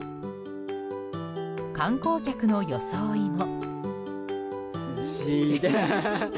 観光客の装いも。